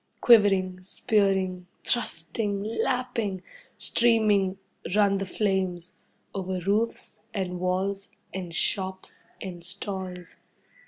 Quivering, spearing, thrusting, lapping, streaming, run the flames. Over roofs, and walls, and shops, and stalls.